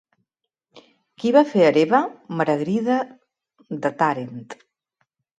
Qui va fer hereva Maragrida de Tàrent?